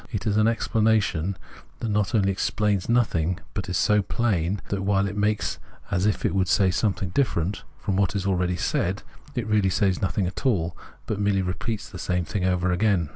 It is an explanation that not only explains nothing, but is so plain that, while it makes as if it would say something different from what is already said, it really says nothing at all, but merely repeats the same thing over again.